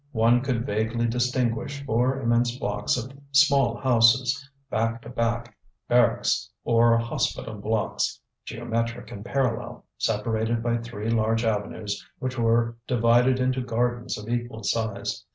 One could vaguely distinguish four immense blocks of small houses, back to back, barracks or hospital blocks, geometric and parallel, separated by three large avenues which were divided into gardens of equal size.